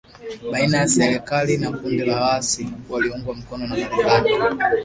baina ya serikali na kundi la waasi walioungwa mkono na Marekani